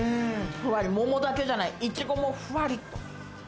桃だけじゃない、いちごもふわり。